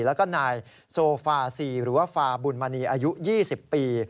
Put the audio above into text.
แล้วก็นายโซฟาซีหรือว่าฟาบุญมณีอายุ๒๐ปี